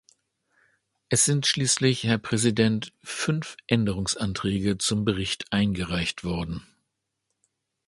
Es sind schließlich, Herr Präsident, fünf Änderungsanträge zum Bericht eingereicht worden.